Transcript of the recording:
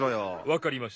わかりました。